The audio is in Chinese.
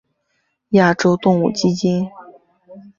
亚洲动物基金。